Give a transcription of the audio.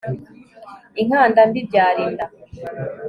inkanda mbi ibyara inda